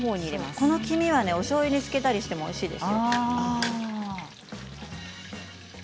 この黄身はおしょうゆで漬けて食べてもおいしいです。